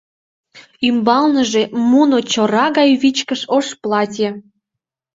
Ӱмбалныже муно чора гай вичкыж ош платье.